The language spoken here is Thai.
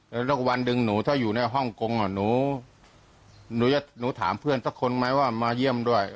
แล้ววันหนึ่งหนูถ้าอยู่ในฮ่องกงหนูหนูถามเพื่อนสักคนไหมว่ามาเยี่ยมด้วย